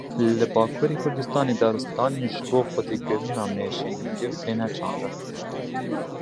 Li Bakurê Kurdistanê daristanên ji bo xwedîkirina mêşên hingiv têne çandin